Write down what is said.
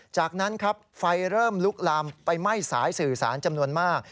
จากนั้นครับไฟเริ่มลุกลามไปไหม้สายสื่อสารจำนวนมาก